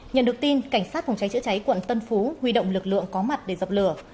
nhận được tin cảnh sát phòng cháy chữa cháy quận tân phú huy động lực lượng có mặt để dập lửa